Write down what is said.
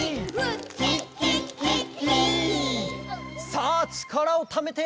「さあちからをためて！」